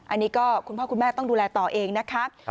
อันนี้ก็คุณพ่อคุณแม่ต้องดูแลต่อเองนะคะ